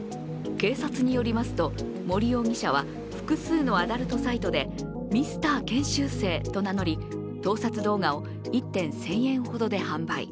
警察によりますと、森容疑者は複数のアダルトサイトでＭｒ．研修生と名乗り、盗撮動画を１点１０００円ほどで販売。